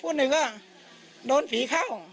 พี่ทีมข่าวของที่รักของ